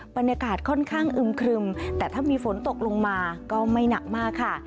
บรรยากาศค่อนข้างอึมครึมแต่ถ้ามีฝนตกลงมาก็ไม่หนักมากค่ะ